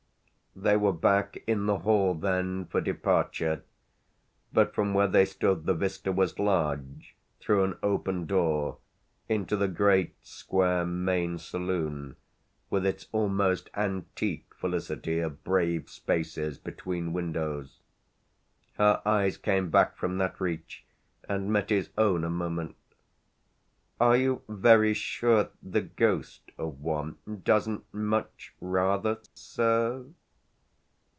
They were back in the hall then for departure, but from where they stood the vista was large, through an open door, into the great square main saloon, with its almost antique felicity of brave spaces between windows. Her eyes came back from that reach and met his own a moment. "Are you very sure the 'ghost' of one doesn't, much rather, serve